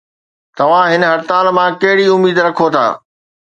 توهان هن هڙتال مان ڪهڙي اميد رکو ٿا؟